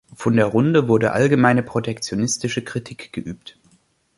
Von der Runde wurde allgemeine protektionistische Kritik geübt.